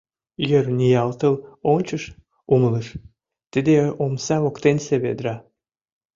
Йыр ниялтыл ончыш, умылыш: тиде омса воктенсе ведра.